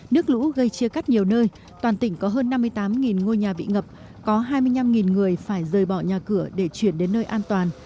nước lũ gây chia cắt nhiều nơi toàn tỉnh có hơn năm mươi tám ngôi nhà bị ngập có hai mươi năm người phải rời bỏ nhà cửa để chuyển đến nơi an toàn